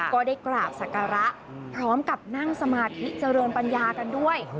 ก็ได้กราบศักระพร้อมกับนั่งสมาธิเจริญปัญญากันด้วย